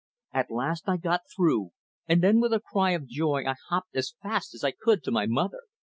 At last I got through, and then with a cry of joy I hopped as fast as I could to my mother.